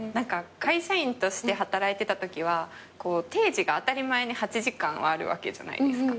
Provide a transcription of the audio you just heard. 会社員として働いてたときは定時が当たり前に８時間あるわけじゃないですか。